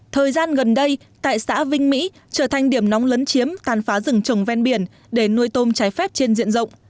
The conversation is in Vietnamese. thời gian gần đây tại xã vinh mỹ trở thành điểm nóng lấn chiếm tàn phá rừng trồng ven biển để nuôi tôm trái phép trên diện rộng